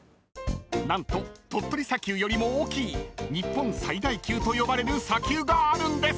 ［何と鳥取砂丘よりも大きい日本最大級と呼ばれる砂丘があるんです］